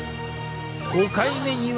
５回目には。